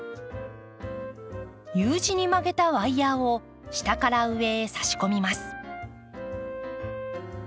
Ｕ字に曲げたワイヤーを下から上へ差し込みます。